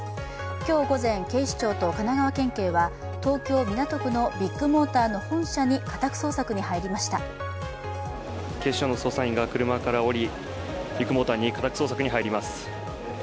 今日午前、警視庁と神奈川県警は東京・港区のビッグモーターの本社に家宅捜索に入りました警視庁の捜査員が車から降り、ビッグモーターに家宅捜索に入ります。